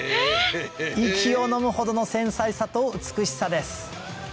息をのむほどの繊細さと美しさです